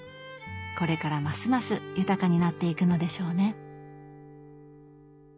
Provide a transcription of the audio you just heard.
これからますます豊かになっていくのでしょうね。